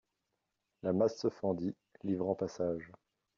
La masse se fendit, livrant passage.